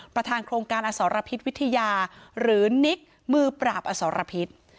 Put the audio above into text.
ประธานโครงการอสรพิษวิทยาหรือนิกมือปราบอสรพิษ